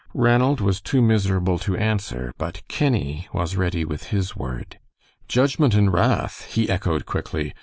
Ranald was too miserable to answer, but Kenny was ready with his word. "Judgment and wrath," he echoed, quickly.